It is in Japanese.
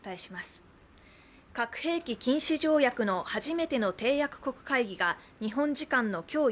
核兵器禁止条約の初めての締約国会議が日本時間の今日